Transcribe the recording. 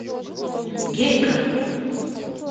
– Гейка!